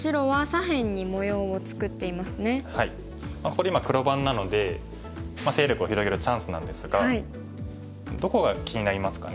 ここで今黒番なので勢力を広げるチャンスなんですがどこが気になりますかね。